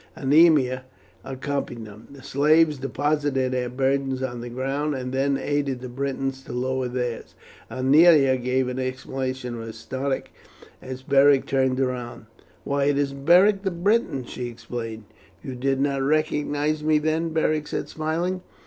Aemilia accompanied him. The slaves deposited their burdens on the ground, and then aided the Britons to lower theirs. Aemilia gave an exclamation of astonishment as Beric turned round. "Why, it is Beric the Briton!" she exclaimed. "You did not recognize me, then?" Beric said smiling.